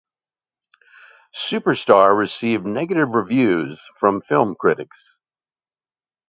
"Superstar" received negative reviews from film critics.